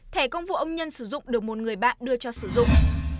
thẻ công vụ ông nhân sử dụng được một người bạn đưa cho sử dụng